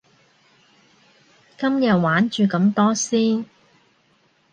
今日玩住咁多先